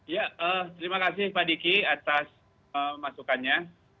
ya terima kasih pak diki atas masukannya